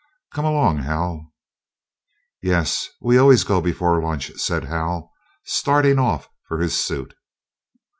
Come along, Hal." "Yes, we always go before lunch," said Hal starting off for his suit.